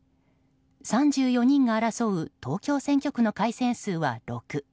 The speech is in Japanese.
３４人が争う東京選挙区の改選数は６。